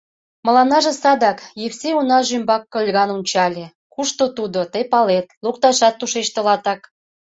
Мыланнаже садак, — Евсей унаже ӱмбак кыльган ончале, — Кушто тудо — тый палет, лукташат тушеч тылатак.